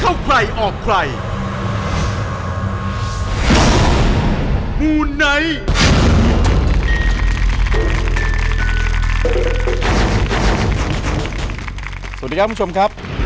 สวัสดีครับคุณผู้ชมครับ